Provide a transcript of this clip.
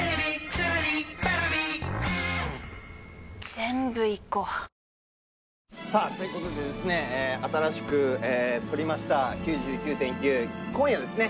最悪ということでですね新しく撮りました「９９．９」今夜ですね